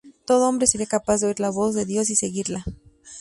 Todo hombre sería capaz de oír la voz de Dios y seguirla.